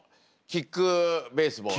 キックベース。